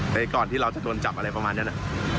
แต่ก่อนที่เราจะโดนจับอะไรประมาณนั้น